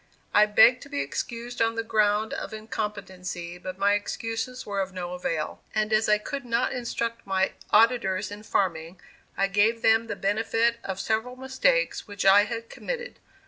I begged to be excused on the ground of incompetency, but my excuses were of no avail, and as I could not instruct my auditors in farming, I gave them the benefit of several mistakes which I had committed.